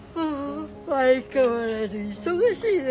相変わらず忙しいね。